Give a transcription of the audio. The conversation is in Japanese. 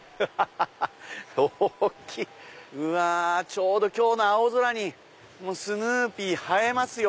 ちょうど今日の青空にスヌーピー映えますよ。